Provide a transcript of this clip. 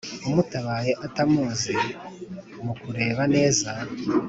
umutabaye atamuzi mukureba neza